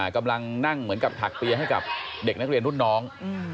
กำลังนั่งเหมือนกับถักเปียให้กับเด็กนักเรียนรุ่นน้อง